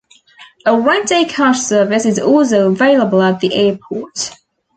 A Rent-a-Car service is also available at the airport.